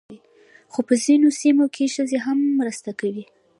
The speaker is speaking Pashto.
خو په ځینو سیمو کې ښځې هم مرسته کوي.